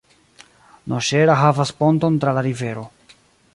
Noŝera havas ponton tra la rivero.